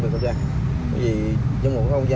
có việc chữa được không